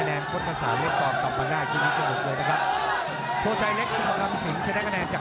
อับสริกั่นไหม้ไทย๑๒๙เก่า